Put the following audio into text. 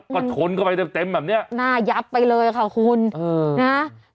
ก็ชนเข้าไปเต็มเต็มแบบเนี้ยหน้ายับไปเลยค่ะคุณนะ